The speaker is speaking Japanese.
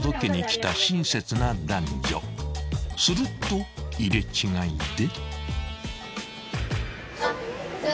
［すると入れ違いで］